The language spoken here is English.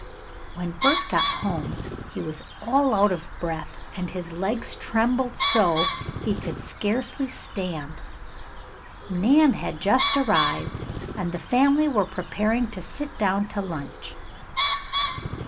When Bert got home he was all out of breath, and his legs trembled so he could scarcely stand. Nan had just arrived and the family were preparing to sit down to lunch.